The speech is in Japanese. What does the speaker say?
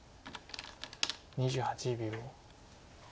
２８秒。